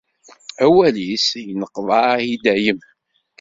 Awal-is inneqḍaɛ i dayem.